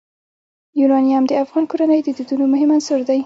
یورانیم د افغان کورنیو د دودونو مهم عنصر دی.